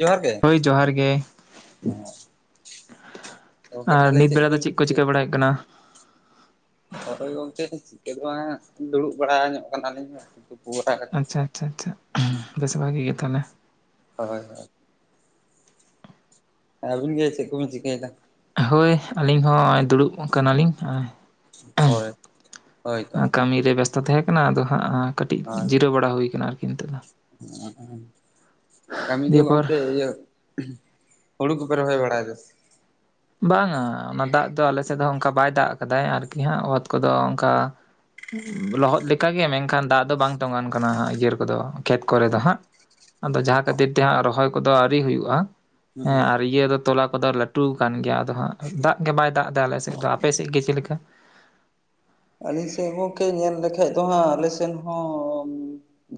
ᱡᱚᱦᱟᱨ ᱜᱮ ᱦᱳᱭ, ᱡᱚᱦᱟᱨ ᱜᱮ ᱾ ᱜᱚᱝᱠᱮ ᱟᱨ ᱛᱟᱦᱚᱞᱮ ᱱᱤᱛ ᱵᱮᱲᱟ ᱫᱚ ᱠᱚᱵᱤᱱ ᱪᱮᱫ ᱠᱚ ᱪᱤᱠᱟᱹᱭ ᱪᱤᱠᱟᱹ ᱵᱟᱲᱟ ᱦᱩᱭᱩᱜ ᱠᱟᱱᱟ? ᱦᱳᱭ ᱜᱚᱝᱠᱮ ᱪᱤᱠᱟᱹ ᱫᱚ ᱵᱟᱝ ᱫᱩᱲᱩᱵ ᱵᱟᱲᱟ ᱧᱚᱜ ᱠᱟᱱᱟᱞᱤᱧ ᱾ ᱟᱪᱪᱷᱟ ᱟᱪᱪᱷᱟ ᱟᱪᱪᱷᱟ ᱵᱮᱥ ᱵᱷᱟᱜᱮ ᱜᱮ ᱛᱟᱦᱚᱞᱮ᱾ ᱦᱳᱭ ᱦᱳᱭ᱾ ᱟᱹᱵᱤᱱ ᱜᱮ ᱪᱮᱫ ᱠᱚᱵᱤᱱ ᱪᱤᱠᱟᱹᱭᱫᱟ? ᱦᱳᱭ ᱟᱹᱞᱤᱧ ᱦᱚᱸᱭ ᱫᱩᱲᱩᱵ ᱠᱟᱱᱟᱞᱤᱧ᱾ ᱦᱳᱭ ᱦᱳᱭ ᱛᱚ ᱠᱟᱹᱢᱤ ᱨᱮ ᱵᱮᱥᱛᱚ ᱛᱮᱦᱮᱸᱠᱟᱱᱟ, ᱟᱫᱚ ᱦᱟᱸᱜ ᱠᱟᱹᱴᱤᱡ ᱡᱤᱨᱟᱹᱣ ᱵᱟᱲᱟ ᱦᱩᱭ ᱠᱟᱱᱟ ᱟᱨᱠᱤ ᱱᱤᱛᱚᱜ ᱫᱚ᱾ ᱩᱸ ᱠᱟᱹᱢᱤ ᱫᱚ ᱫᱤᱭᱮᱯᱚᱨ ᱜᱚᱢᱠᱮ ᱤᱭᱟᱹ ᱦᱩᱲᱩ ᱠᱚᱯᱮ ᱨᱚᱦᱚᱭ ᱵᱟᱲᱟᱭ ᱫᱟ ᱵᱟᱝᱼᱟ ᱚᱱᱟ ᱫᱟᱜ ᱫᱚ ᱟᱞᱮ ᱥᱮᱫ ᱫᱚ ᱚᱝᱠᱟ ᱵᱟᱭ ᱫᱟᱜ ᱠᱟᱫᱟᱭ ᱟᱨᱠᱤ ᱦᱟᱸᱜ ᱚᱛ ᱠᱚᱫᱚ ᱚᱝᱠᱟ ᱞᱚᱦᱚᱫ ᱞᱮᱠᱟᱜᱮ ᱢᱮᱝᱠᱷᱟᱱ ᱫᱟᱜ ᱫᱚ ᱵᱟᱝ ᱛᱚᱸᱜᱟᱱ ᱠᱟᱱᱟ ᱤᱭᱟᱹᱨ ᱠᱚᱫᱚ ᱠᱷᱮᱛ ᱠᱚᱨᱮ ᱫᱚ ᱦᱟᱸᱜ᱾ ᱟᱫᱚ ᱡᱟᱦᱟᱸ ᱠᱷᱟᱹᱛᱤᱨ ᱛᱮ ᱦᱟᱸᱜ ᱨᱚᱦᱚᱭ ᱠᱚᱫᱚ ᱟᱹᱣᱨᱤ ᱦᱩᱭᱩᱜᱼᱟ, ᱦᱮᱸ ᱟᱨ ᱤᱭᱟᱹ ᱫᱚ ᱛᱚᱞᱟ ᱠᱚᱫᱚ ᱞᱟᱹᱴᱩ ᱠᱟᱱ ᱜᱮᱭᱟ ᱟᱫᱚ ᱦᱟᱸᱜ ᱫᱟᱜ ᱜᱮ ᱵᱟᱭ ᱫᱟᱜ ᱫᱟ ᱟᱞᱮ ᱥᱮᱫ ᱫᱚ, ᱟᱯᱮᱥᱮᱫ ᱜᱮ ᱪᱮᱫ ᱞᱮᱠᱟ? ᱟᱞᱤᱧ ᱥᱮᱫ ᱜᱚᱢᱠᱮ ᱧᱮᱞ ᱞᱮᱠᱷᱟᱡ ᱫᱚ ᱦᱟᱸᱜ ᱟᱞᱮ ᱥᱮᱫ ᱦᱚᱸ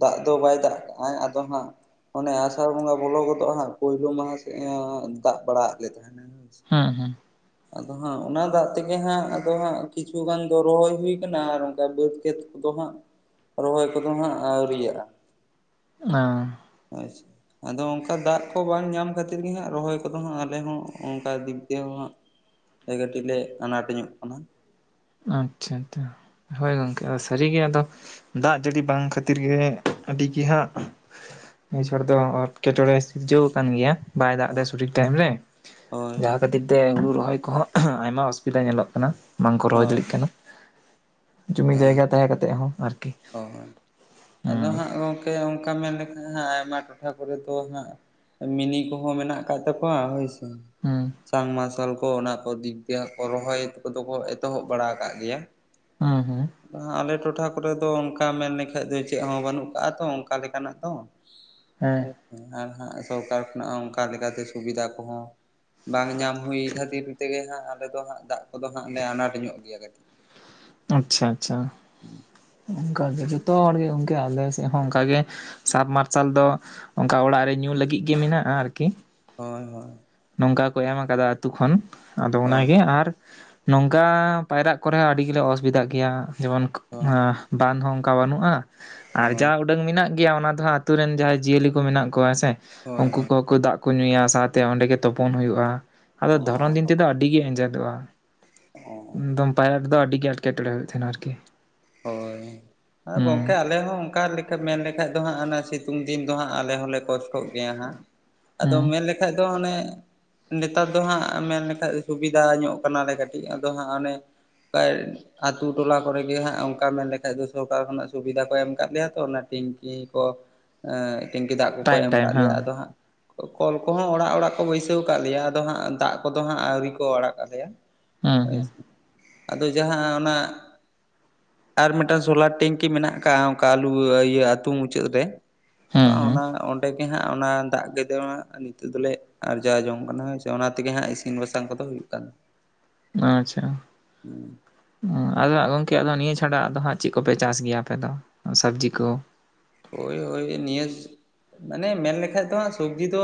ᱫᱟᱜ ᱫᱚ ᱵᱟᱭ ᱫᱟᱜ ᱠᱟᱜᱼᱟᱭ ᱟᱫᱚ ᱦᱟᱸᱜ ᱚᱱᱮ ᱟᱥᱟᱲ ᱵᱚᱸᱜᱟ ᱵᱚᱞᱚ ᱜᱚᱫᱚᱜᱼᱟ ᱦᱟᱸᱜ ᱯᱳᱭᱞᱳ ᱢᱟᱦᱟ ᱥᱮᱫ ᱮᱸ ᱫᱟᱜ ᱵᱟᱲᱟ ᱟᱫ ᱞᱮ ᱛᱟᱦᱮᱸᱱᱮ ᱦᱮᱸᱥᱮ᱾ ᱦᱩᱸ ᱦᱩᱸ᱾ ᱟᱫᱚ ᱦᱟᱸᱜ ᱚᱱᱟ ᱫᱟᱜ ᱛᱮᱜᱮ ᱦᱟᱸᱜ ᱟᱫᱚ ᱦᱟᱸᱜ ᱠᱤᱪᱷᱩ ᱜᱟᱱ ᱫᱚ ᱨᱚᱦᱚᱭ ᱦᱩᱭ ᱠᱟᱱᱟ, ᱟᱨ ᱚᱝᱠᱟ ᱵᱟᱹᱫᱽ ᱠᱷᱮᱛ ᱠᱚᱫᱚ ᱦᱟᱸᱜ ᱨᱚᱦᱚᱭ ᱠᱚᱫᱚ ᱦᱟᱸᱜ ᱟᱹᱣᱨᱤᱭᱟᱜᱼᱟ᱾ ᱟ᱾ ᱦᱳᱭ ᱥᱮ᱾ ᱟᱫᱚ ᱚᱝᱠᱟ ᱫᱟᱜ ᱠᱚ ᱵᱟᱝ ᱧᱟᱢ ᱠᱷᱟᱹᱛᱤᱨ ᱜᱮ ᱦᱟᱸᱜ ᱨᱚᱦᱚᱭ ᱠᱚᱫᱚ ᱦᱟᱸᱜ ᱟᱞᱮ ᱦᱚᱸ ᱚᱝᱠᱟ ᱫᱤᱠ ᱫᱤᱭᱮ ᱦᱚᱸ ᱦᱟᱸᱜ ᱥᱮ ᱠᱟᱹᱴᱤᱡ ᱞᱮ ᱟᱱᱟᱴ ᱧᱚᱜ ᱠᱟᱱᱟ᱾ ᱟᱪᱪᱷᱟ ᱛᱚ ᱦᱳᱭ ᱜᱚᱝᱠᱮ ᱟ ᱥᱟᱹᱨᱤᱜᱮ ᱟᱫᱚ ᱫᱟᱜ ᱡᱟᱹᱲᱤ ᱵᱟᱝ ᱠᱷᱟᱹᱛᱤᱨ ᱜᱮ ᱟᱹᱰᱤ ᱜᱮ ᱦᱟᱸᱜ ᱱᱤᱭᱟᱹ ᱪᱷᱚᱴ ᱫᱚ ᱮᱴᱠᱮᱴᱚᱬᱮ ᱥᱤᱨᱡᱟᱹᱣ ᱠᱟᱱ ᱜᱮᱭᱟ᱾ ᱵᱟᱭ ᱫᱟᱜ ᱫᱟᱭ ᱥᱚᱴᱷᱤᱠ ᱴᱟᱭᱤᱢ ᱨᱮ, ᱦᱳᱭ ᱡᱟᱦᱟᱸ ᱠᱷᱟᱹᱛᱤᱨ ᱛᱮ ᱦᱩᱲᱩ ᱨᱚᱦᱚᱭ ᱠᱚᱦᱚᱸ ᱟᱭᱢᱟ ᱚᱥᱩᱵᱤᱫᱟ ᱧᱮᱞᱚᱜ ᱠᱟᱱᱟ᱾ ᱠᱚ ᱨᱚᱭ ᱦᱳᱭ ᱫᱟᱲᱤᱜ ᱠᱟᱱᱟ ᱡᱩᱢᱤ ᱦᱮᱸ ᱡᱟᱭᱜᱟ ᱛᱟᱦᱮᱸ ᱠᱟᱛᱮ ᱦᱚᱸ ᱟᱨᱠᱤ᱾ ᱦᱳᱭ ᱟᱫᱚ ᱦᱩᱸ ᱦᱟᱸᱜ ᱜᱚᱢᱠᱮ ᱚᱝᱠᱟ ᱢᱮᱱ ᱞᱮᱠᱷᱟᱱ ᱦᱟᱸᱜ ᱟᱭᱢᱟ ᱴᱚᱴᱷᱟ ᱠᱚᱨᱮ ᱫᱚ ᱦᱟᱸᱜ ᱢᱤᱱᱤ ᱠᱚᱦᱚᱸ ᱢᱮᱱᱟᱜ ᱠᱟᱜ ᱛᱟᱠᱚᱣᱟ ᱦᱳᱭ ᱥᱮ, ᱦᱩᱸ ᱥᱟᱵ ᱢᱟᱨᱥᱟᱞ ᱠᱚ ᱚᱱᱟ ᱠᱚ ᱫᱤᱠ ᱛᱮ ᱠᱚ ᱨᱚᱦᱚᱭ ᱠᱚᱫᱚ ᱠᱚ ᱮᱛᱚᱦᱚᱵ ᱵᱟᱲᱟ ᱠᱟᱜ ᱜᱮᱭᱟ᱾ ᱦᱩᱸ ᱦᱩᱸ᱾ ᱟᱫᱚ ᱦᱟᱸ ᱟᱞᱮ ᱴᱚᱴᱷᱟ ᱠᱚᱨᱮ ᱛᱚ ᱚᱝᱠᱟ ᱢᱮᱱ ᱞᱮᱠᱷᱟᱡ ᱫᱚ ᱪᱮᱫ ᱦᱚᱸ ᱵᱟᱹᱱᱩᱜ ᱠᱟᱜᱼᱟ ᱛᱚ ᱚᱝᱠᱟ ᱞᱮᱠᱟᱱᱟᱜ ᱫᱚ᱾ ᱦᱮᱸ ᱟᱨ ᱦᱟᱸᱜ ᱥᱚᱨᱠᱟᱨ ᱠᱷᱚᱱᱟᱜ ᱦᱚᱸ ᱚᱝᱠᱟ ᱞᱮᱠᱟᱛᱮ ᱥᱩᱵᱤᱫᱟ ᱠᱚᱦᱚᱸ ᱵᱟᱝ ᱧᱟᱢ ᱦᱩᱭ ᱠᱷᱟᱹᱛᱤᱨ ᱛᱮᱜᱮ ᱦᱟᱸᱜ ᱟᱞᱮ ᱫᱚ ᱦᱟᱸᱜ ᱫᱟᱜ ᱠᱚᱫᱚ ᱦᱟᱸᱜ ᱞᱮ ᱟᱱᱟᱴ ᱧᱚᱜ ᱜᱮᱭᱟ ᱠᱟᱹᱴᱤᱡ᱾ ᱟᱪᱪᱷᱟ ᱟᱪᱪᱷᱟ ᱚᱝᱠᱟᱜᱮ ᱡᱚᱛᱚ ᱦᱚᱲ ᱜᱮ ᱚᱱᱠᱮ ᱟᱞᱮ ᱥᱮᱫ ᱦᱚᱸ ᱚᱝᱠᱟᱜᱮ ᱥᱟᱵ ᱢᱟᱨᱥᱟᱞ ᱫᱚ ᱚᱝᱠᱟ ᱚᱲᱟᱜ ᱨᱮ ᱧᱩ ᱞᱟᱹᱜᱤᱫ ᱜᱮ ᱢᱮᱱᱟᱜᱼᱟ ᱟᱨᱠᱤ᱾ ᱦᱳᱭ ᱦᱳᱭ᱾ ᱱᱚᱝᱠᱟ ᱠᱚ ᱮᱢ ᱠᱟᱫᱟ ᱟᱹᱛᱩᱳ ᱠᱷᱚᱱ ᱟᱫᱚ ᱦᱳᱭ ᱚᱱᱟᱜᱮ ᱟᱨ ᱱᱚᱝᱠᱟ ᱯᱟᱭᱨᱟᱜ ᱠᱚᱨᱮ ᱦᱚᱸ ᱟᱹᱰᱤ ᱜᱮᱞᱮ ᱚᱥᱩᱵᱤᱫᱟᱜ ᱜᱮᱭᱟ, ᱡᱮᱢᱚᱱ ᱵᱟᱸᱫ ᱦᱚᱸ ᱚᱝᱠᱟ ᱵᱟᱹᱱᱩᱜᱼᱟ ᱟᱨ ᱡᱟ ᱦᱳᱭ ᱩᱰᱟᱹᱝ ᱢᱮᱱᱟᱜ ᱜᱮᱭᱟ ᱚᱱᱟ ᱫᱚ ᱦᱟᱸᱜ ᱟᱛᱩ ᱨᱮᱱ ᱡᱟᱦᱟᱸᱭ ᱡᱤᱭᱟᱹᱞᱤ ᱠᱚ ᱢᱮᱱᱟᱜ ᱠᱚᱣᱟ ᱦᱮᱸᱥᱮ, ᱦᱳᱭ ᱦᱳᱭ ᱩᱝᱠᱩ ᱦᱳᱭ ᱠᱚᱠᱩ ᱫᱟᱜ ᱠᱚ ᱧᱩᱭᱟ᱾ ᱥᱟᱶᱛᱮ ᱚᱸᱰᱮ ᱜᱮ ᱛᱩᱯᱩᱱ ᱦᱩᱭᱩᱜᱼᱟ᱾ ᱟᱫᱚ ᱫᱷᱚᱨᱚᱱ ᱚ ᱫᱤᱱ ᱛᱮ-ᱫᱚ ᱟᱹᱰᱤ ᱜᱮ, ᱟᱸᱡᱮᱫᱚᱜᱼᱟ᱾ ᱚ ᱮᱫᱚᱢ ᱯᱟᱭᱨᱟ ᱫᱚ᱾ ᱟᱹᱰᱤ ᱜᱮ ᱮᱸᱴᱠᱮᱴᱚᱬᱮᱸ ᱦᱩᱭᱩ-ᱜ ᱛᱟᱦᱮᱱᱟ᱾ ᱟᱨᱠᱤ ᱦᱳᱭ᱾ ᱟ ᱦᱩᱸ ᱜᱚᱝᱠᱮ ᱟᱞᱮ ᱦᱚᱸ ᱚᱱᱠᱟ, ᱞᱮᱠᱟ᱾ ᱢᱮᱱ ᱞᱮᱠᱷᱟᱡ ᱫᱚ᱾ ᱦᱟᱸᱜ ᱚᱱᱟ ᱥᱤᱛᱩᱝ ᱫᱤᱱ ᱫᱚ ᱦᱟᱸᱜ᱾ ᱟᱞᱮ ᱦᱚᱸᱞᱮ ᱠᱚᱥᱴᱚ-ᱜ ᱜᱮᱭᱟ ᱾ᱦᱟᱸᱜ ᱟᱫᱚ ᱦᱩᱸ ᱢᱮᱱᱞ ᱦᱛ ᱢᱟᱱᱮ [unintelligible] ᱱᱮᱛᱟᱨ ᱫᱚ ᱦᱟᱸᱜ ᱾ᱢᱮᱱ ᱞᱮᱠᱷᱟᱡ ᱥᱩᱵᱤᱫᱟ᱾ ᱧᱚᱜ ᱠᱟᱱᱟᱞᱮ ᱠᱟᱹᱴᱤᱡ ᱾ᱟᱫᱚ ᱦᱟᱸᱜ ᱚᱱᱮ ᱠᱟᱭ ᱟᱹᱛᱩ ᱴᱚᱸᱞᱟ ᱠᱚᱨᱮ ᱜᱮ ᱾ᱦᱟᱜ ᱚᱱᱠᱟ ᱢᱮᱱ ᱞᱮᱠᱷᱽᱟᱡ ᱫᱚ᱾ ᱥᱚᱨᱠᱟᱨ ᱠᱷᱚᱱᱟ-ᱜ ᱥᱩᱵᱤᱫᱟ ᱠᱚ ᱮᱢ ᱠᱟᱫ ᱞᱮᱭᱟ᱾ ᱛᱚ ᱚᱱᱟ ᱴᱤᱝᱠᱤ ᱠᱚ ᱴᱮᱝᱠᱤ ᱫᱟᱜ ᱠᱚ-ᱠᱚ ᱴᱟᱭᱤᱢ ᱮᱢ ᱴᱟᱭᱤᱢ ᱟᱠᱟᱫ ᱦᱮᱸ ᱞᱮᱭᱟ᱾ ᱟᱫᱚ ᱦᱟᱸᱜ ᱠᱚᱞ ᱠᱚ ᱦᱚᱸ ᱚᱲᱟ-ᱜ -ᱚᱲᱟ-ᱜ ᱠᱚ, ᱵᱟᱹᱭᱥᱟᱹᱣ ᱠᱟᱜ ᱞᱮᱭᱟ ᱾ᱟᱫᱚ ᱦᱟᱸᱜ ᱫᱟᱜ ᱠᱚ-ᱫᱚ ᱦᱟᱸᱜ, ᱟᱹᱣᱨᱤ ᱠᱚ ᱟᱲᱟ-ᱜ ᱟᱞᱮᱭᱟ᱾ ᱦᱩᱸ ᱦᱳᱭ ᱦᱩᱸ ᱾ ᱟᱫᱚ ᱡᱟᱦᱟᱸ ᱚᱱᱟ ᱟᱨ ᱢᱤᱴᱟᱝ ᱥᱳᱞᱟᱨ ᱴᱮᱝᱠᱤ ᱢᱮᱱᱟ-ᱜ ᱟᱠᱟᱼᱟ ᱾ ᱚᱱᱠᱟ ᱟᱞᱩ ᱤᱭᱟᱹ ᱟᱹᱛᱩ ᱢᱩᱪᱟᱹᱫ ᱨᱮ᱾ ᱦᱮᱸ ᱦᱮᱸ ᱚᱱᱟ ᱚᱸᱰᱮ ᱜᱮ ᱦᱟᱸᱜ ᱾ᱚᱱᱟ ᱫᱟᱜ ᱜᱮ ᱫᱚᱦᱟ-ᱜ, ᱱᱤᱛᱳ-ᱜ ᱫᱚᱞᱮ ᱟᱨᱡᱟ-ᱣ ᱡᱚᱝ ᱠᱟᱱᱟ ᱾ ᱦᱳᱭ ᱥᱮ, ᱚᱱᱟ ᱛᱮᱜᱮ ᱦᱟᱜ ᱤᱥᱤᱱ, ᱵᱟᱥᱟᱝ, ᱠᱚᱼᱫᱚ ᱦᱩᱭᱩ-ᱜ ᱠᱟᱱᱟ᱾ ᱟᱪᱪᱷᱟ᱾ ᱟᱫᱚ ᱜᱚᱝᱠᱮ ᱟᱫᱚ ᱱᱤᱭᱟᱹ ᱪᱷᱟᱰᱟ᱾ ᱟᱫᱚ ᱦᱟᱸᱜ ᱪᱮᱫ ᱠᱚ-ᱯᱮ ᱪᱟᱥ ᱜᱮᱭᱟ᱾ ᱟᱯᱮ ᱫᱚ, ᱥᱚᱵᱽᱡᱤ ᱠᱚ? ᱦᱳᱭ - ᱦᱳᱭ ᱱᱤᱭᱟᱹ ᱢᱟᱱᱮ ᱢᱮᱱ ᱞᱮᱠᱷᱟᱡ ᱫᱚ, ᱦᱟᱜ ᱥᱚᱵᱽᱡᱤ ᱫᱚ᱾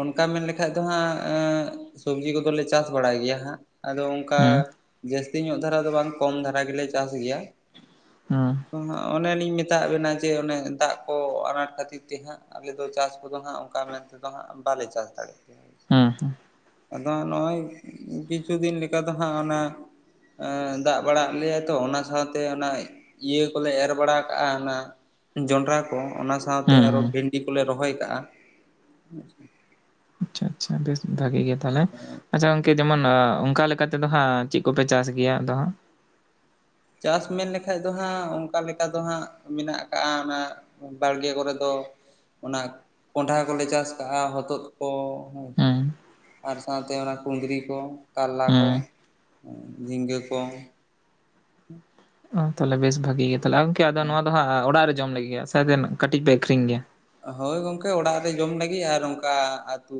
ᱚᱱᱠᱟ ᱢᱮᱱ ᱞᱮᱠᱷᱟᱡ ᱫᱚ ᱦᱟᱸᱜ ᱥᱚᱵᱽᱡᱤ ᱠᱚ-ᱫᱚ ᱞᱮ, ᱪᱟᱥ ᱵᱟᱲᱟ-ᱭ ᱜᱮᱭᱟ᱾ ᱦᱟᱸᱜ ᱟᱫᱚ ᱠᱟ ᱦᱮᱸ ᱡᱟᱹᱥᱛᱤ ᱧᱚᱜ ᱫᱷᱟᱨᱟ ᱫᱚ ᱵᱟᱝ᱾ ᱠᱚᱢ ᱫᱷᱟᱨᱟ ᱜᱮ-ᱞᱮ ᱪᱟᱥ ᱜᱮᱭᱟ᱾ ᱦᱩᱸ᱾ ᱚᱱᱮ ᱞᱤᱧ ᱢᱮ ᱢᱮᱛᱟ-ᱜ ᱵᱮᱱᱟ᱾ ᱡᱮ ᱚᱱᱮ ᱫᱟᱜ ᱠᱚ ᱟᱱᱟᱴ ᱠᱷᱟᱹᱛᱤᱨ ᱛᱮ᱾ ᱦᱟᱸᱜ ᱟᱞᱮ ᱫᱚ ᱪᱟᱥ ᱠᱚᱼᱫᱚ ᱦᱟᱸᱜ ᱚᱱᱠᱟ ᱢᱮᱱᱛᱮ ᱵᱟᱞᱮ ᱪᱟᱥ ᱫᱟᱲᱮ-ᱜ ᱜᱮᱭᱟ᱾ ᱦᱮᱸ ᱟᱫᱚ ᱦᱟᱜ ᱱᱚᱜᱼᱚᱭ, ᱠᱤᱪᱷᱩ ᱫᱤᱱ ᱞᱮᱠᱟ ᱫᱚ ᱦᱟᱸᱜ᱾ ᱚᱱᱟ ᱫᱟᱜ ᱵᱟᱲ ᱟᱫ ᱞᱮᱭᱟᱭ ᱛᱚ᱾ ᱚᱱᱟ ᱥᱟᱶᱛᱮ ᱚᱱᱟ ᱤᱭᱟᱹ ᱠᱚ-ᱞᱮ ᱮᱨ ᱵᱟᱲᱟ᱾ ᱠᱟᱜᱼᱟ᱾ ᱚᱱᱟ ᱡᱚᱸᱰᱨᱟ ᱠᱚ ᱚᱱᱟ ᱥᱟᱶᱛᱮ, ᱦᱮᱸ ᱟᱨᱚ ᱦᱮᱸ ᱵᱷᱮᱱᱰᱤ ᱠᱚ-ᱞᱮ ᱨᱚᱦᱚᱭ ᱠᱟᱜᱼᱟ᱾ ᱟᱪᱪᱷᱟ᱾ ᱟᱪᱷᱟ ᱵᱮᱥ ᱵᱷᱟᱜᱮ ᱜᱮᱭᱟ᱾ ᱛᱟᱞᱦᱮ ᱟᱪᱪᱷᱟ ᱜᱚᱝᱠᱮ ᱡᱮᱢᱚᱱ ᱚᱱᱠᱟ ᱞᱮᱠᱟᱛᱮᱫᱚ ᱦᱟᱸᱜ, ᱪᱮᱫ ᱠᱚ-ᱯᱮ ᱪᱟᱥ ᱜᱮᱭᱟ᱾ ᱟᱫᱚ ᱦᱟᱸᱜ ᱪᱟᱥ ᱢᱮᱱ ᱞᱮᱠᱷᱟᱡ ᱫᱚ ᱦᱟᱸᱜ᱾ᱚᱱᱠᱟ ᱞᱮᱠᱟ ᱫᱚ ᱦᱟᱸᱜ᱾ ᱢᱮᱱᱟ-ᱜ ᱟᱠᱟᱜᱼᱟ᱾ ᱚᱱᱟ ᱵᱟᱲᱜᱮ ᱠᱚᱨᱮ ᱫᱚ ᱚᱱᱟ ᱠᱚᱸᱰᱦᱟ ᱠᱚᱞᱮ ᱪᱟᱥ ᱠᱟᱜᱼᱟ᱾ ᱦᱚᱛᱚᱫ ᱠᱚ᱾ ᱦᱮᱸ ᱟᱨ ᱥᱟᱶᱛᱮ, ᱚᱱᱟ ᱠᱩᱸᱫᱽᱨᱤ ᱠᱚ, ᱠᱟᱨᱞᱟ ᱠᱚ ᱦᱮᱸ ᱾ ᱡᱷᱤᱸᱜᱟᱹ ᱠᱚ᱾ ᱦᱮᱸ ᱚᱻ ᱛᱟᱦᱚᱞᱮ ᱵᱮᱥ ᱵᱷᱟᱜᱤ ᱜᱮᱭᱟ᱾ ᱛᱟᱦᱚᱞᱮ ᱜᱚᱝᱠᱮ, ᱟᱫᱚ ᱱᱚᱣᱟ ᱫᱚ ᱦᱟᱸᱜ᱾ ᱚᱲᱟ-ᱜ ᱨᱮ ᱡᱚᱢ ᱞᱟᱹᱜᱤᱫ ᱜᱮ᱾ ᱥᱮᱟᱭᱛᱮ ᱠᱟᱹᱴᱤᱡ ᱯᱮ ᱟᱹᱠᱷᱨᱤᱧ ᱜᱮᱭᱟ? ᱦᱳᱭ ᱜᱚᱝᱠᱮ ᱚᱲᱟᱜ ᱨᱮ ᱡᱚᱢ ᱞᱟᱹᱜᱤᱫ᱾ ᱟᱨ ᱚᱱᱠᱟ ᱟᱹᱛᱩ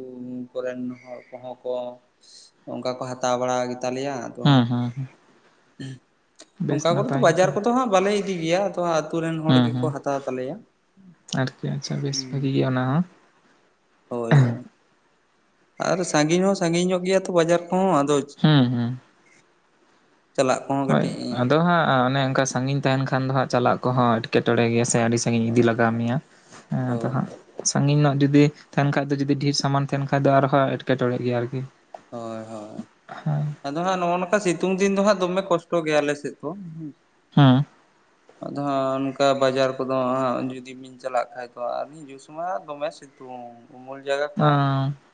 ᱠᱚᱨᱮᱱ ᱦᱚᱲ, ᱠᱚ-ᱦᱚᱸ ᱠᱚ ᱚᱱᱠᱟ ᱠᱚ ᱦᱟᱛᱟᱣ ᱵᱟᱲᱟ᱾ ᱜᱮ ᱛᱟᱞᱮᱭᱟ᱾ ᱦᱩᱸ- ᱦᱩᱸ - ᱦᱩᱸ᱾ ᱦᱩᱸ᱾ ᱚᱱᱠᱟ ᱠᱚᱨᱮ ᱫᱚ ᱵᱟᱡᱟᱨ ᱛᱟᱦᱚᱞᱮ ᱠᱚᱼᱫᱚ ᱦᱟᱸᱜ᱾ ᱵᱟᱞᱮ ᱤᱫᱤ ᱜᱮᱭᱟ᱾ ᱟᱫᱚ ᱟᱹᱛᱩ ᱨᱮᱱ ᱦᱚᱲ ᱦᱮᱸ ᱜᱮ-ᱠᱚ ᱦᱮᱸ ᱦᱟᱛᱟ-ᱣ ᱛᱟᱞᱮᱭᱟ᱾ ᱟᱨᱠᱤ ᱟᱪᱪᱷᱟ᱾ ᱵᱮᱥ ᱵᱷᱽᱟᱹᱜᱤ ᱜᱮᱭᱟ᱾ ᱚᱱᱟ ᱦᱚᱸ᱾ ᱦᱳᱭ - ᱦᱳᱭ᱾ ᱟᱨ ᱥᱟᱺᱜᱤᱧ ᱦᱚᱸ, ᱥᱟᱺᱜᱤᱧ ᱧᱚᱜ ᱜᱮᱭᱟ᱾ ᱛᱚ ᱵᱟᱡᱟᱨ ᱠᱚ-ᱦᱚᱸ ᱟᱫᱚ ᱦᱮᱸ ᱦᱮᱸ ᱪᱟᱞᱟᱜ ᱠᱚᱦᱚᱸ ᱦᱳᱭ᱾ ᱠᱟᱹᱴᱤᱡ ᱟᱫᱚ ᱦᱟᱸᱜ ᱚᱱᱮ ᱚᱱᱠᱟ ᱥᱟᱺᱜᱤᱧ ᱛᱟᱦᱮᱱ ᱠᱷᱟᱱ ᱫᱚ᱾ ᱦᱟᱸᱜ ᱪᱟᱞᱟ-ᱜ ᱠᱚ-ᱦᱚᱸ ᱮᱴᱠᱮᱴᱚᱬᱮᱸ ᱜᱮᱭᱟ᱾ ᱥᱮ ᱟᱹᱰᱤ ᱥᱟᱜᱤᱧ ᱤᱫᱤ ᱞᱟᱜᱟᱣ ᱦᱳᱭ ᱢᱮᱭᱟ ᱟᱫᱚ ᱦᱳᱭ ᱦᱟᱸᱜ ᱥᱟᱺᱜᱤᱧ ᱧᱚᱜ ᱡᱩᱫᱤ ᱛᱟᱦᱮᱱ ᱠᱷᱟᱡ ᱫᱚ ᱡᱩᱫᱤ ᱰᱷᱮᱨ ᱥᱟᱢᱟᱱ ᱛᱟᱦᱮᱱ ᱠᱷᱟᱡ ᱫᱚ ᱟᱨᱦᱚᱸ ᱮᱴᱠᱮᱴᱚᱲᱮ ᱜᱮᱭᱟ ᱟᱨᱠᱤ᱾ ᱦᱳᱭ ᱦᱳᱭ ᱦᱮᱸ ᱟᱫᱚ ᱦᱟᱸᱜ ᱱᱚᱜᱼᱚ ᱱᱚᱝᱠᱟ ᱥᱤᱛᱩᱝ ᱫᱤᱱ ᱫᱚ ᱦᱟᱸᱜ ᱫᱚᱢᱮ ᱠᱚᱥᱴᱚ ᱜᱮᱭᱟ ᱟᱞᱮ ᱥᱮᱫ ᱫᱚ ᱦᱩ᱾ ᱦᱩᱸ ᱟᱫᱚ ᱦᱟᱸᱜ ᱚᱱᱠᱟ ᱵᱟᱡᱟᱨ ᱠᱚᱫᱚ ᱦᱟᱜ ᱡᱩᱫᱤ ᱵᱤᱱ ᱪᱟᱞᱟᱜ ᱠᱷᱟᱡ ᱫᱚ ᱱᱮᱥᱢᱟ ᱫᱚᱢᱮ ᱥᱤᱛᱩᱝ ᱩᱢᱩᱞ ᱡᱟᱭᱜᱟ ᱠᱚᱦᱚᱸ